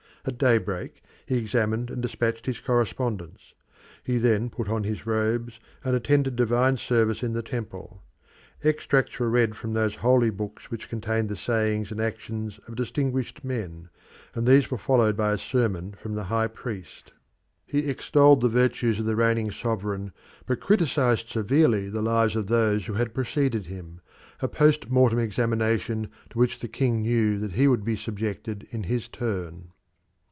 At daybreak he examined and dispatched his correspondence; he then put on his robes and attended divine service in the temple. Extracts were read from those holy books which contained the sayings and actions of distinguished men, and these were followed by a sermon from the High Priest. He extolled the virtues of the reigning sovereign, but criticised severely the lives of those who had preceded him a post mortem examination to which the king knew that he would be subjected in his turn.